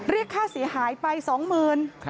เรียกค่าเสียหายไปสองหมื่น